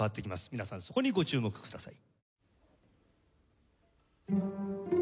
皆さんそこにご注目ください。